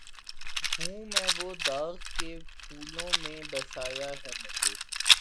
ہوں میں وہ داغ کہ پھولوں میں بسایا ہے مجھے